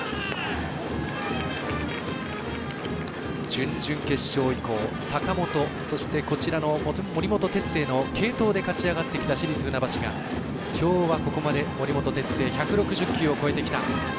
準々決勝以降、坂本そして、森本哲星の継投で勝ちあがってきた市立船橋がきょうは、ここまで森本哲星、１５０球を超えてきた。